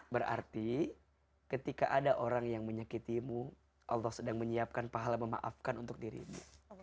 berarti ketika ada orang yang menyakitimu allah sedang menyiapkan pahala memaafkan untuk dirimu